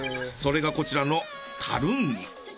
それがこちらのタルンイ。